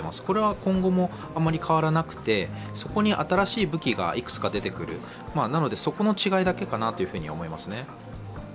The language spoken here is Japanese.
これは今後もあまり変わらなくてそこに新しい武器がいくつか出てくるそこの違いだけかなと思いますね。